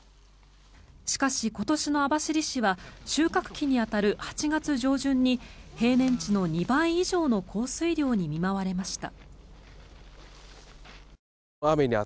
しかし、今年の網走市は収穫期に当たる８月上旬に平年値の２倍以上の降水量に見舞われました。